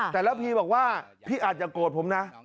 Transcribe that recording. แต่แบบที่บอกว่าพี่อัฐอย่าโกรธผมนะ